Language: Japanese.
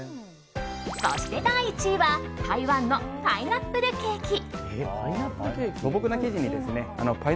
そして第１位は台湾のパイナップルケーキ。